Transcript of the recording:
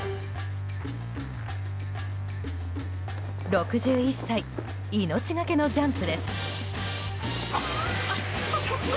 ６１歳、命がけのジャンプです。